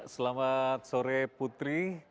selamat sore putri